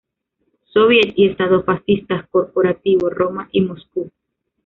Soviet y Estado fascista corporativo, Roma y Moscú.